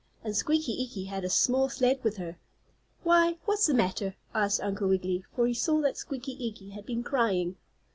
And Squeaky Eeky had a small sled with her. "Why, what's the matter?" asked Uncle Wiggily, for he saw that Squeaky Eeky had been crying.